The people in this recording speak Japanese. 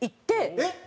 えっ！